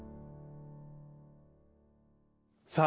さあ